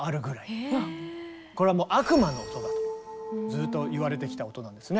これはもう「悪魔の音」だとずっといわれてきた音なんですね。